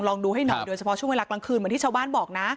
ลองดูให้หน่อยโดยเฉพาะช่วงเวลากลางคืนเหมือนที่ชาวบ้านบอกนะ